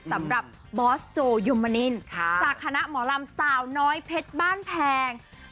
สำหรับบอสโจยุมมนินจากคณะหมอลำสาวน้อยเพชรบ้านแพง